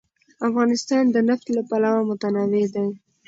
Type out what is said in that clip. افغانستان د نفت له پلوه متنوع دی.